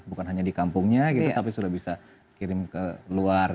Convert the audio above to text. bukan hanya di kampungnya gitu tapi sudah bisa kirim ke luar